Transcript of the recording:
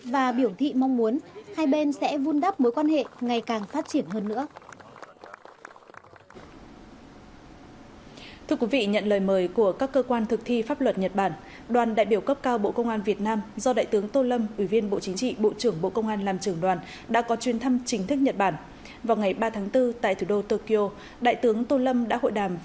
và biểu thị mong muốn hai bên sẽ vun đắp mối quan hệ ngày càng phát triển hơn nữa